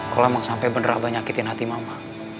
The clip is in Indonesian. kalau emang sampe bener abah nyakitin hati mama